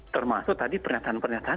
termasuk tadi pernyataan pernyataan